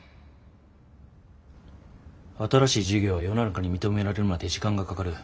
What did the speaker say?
新しい事業は世の中に認められるまで時間がかかる。